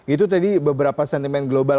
itu tadi beberapa sentimen global